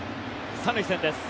３塁線です。